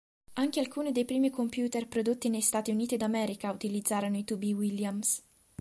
Anche alcuni dei primi computer prodotti negli Stati Uniti d'America utilizzarono i tubi Williams.